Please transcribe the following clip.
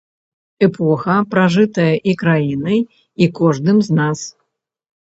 Эпоха, пражытая і краінай, і кожным з нас.